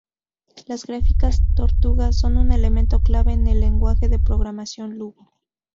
Las gráficas tortuga son un elemento clave en el Lenguaje de programación Logo.